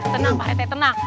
tenang pak rete tenang